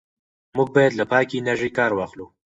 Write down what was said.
موږ باید له پاکې انرژۍ کار واخلو.